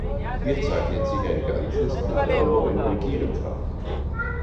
Hier zeichnet sich ein ganzes Programm "neuen Regierens" ab.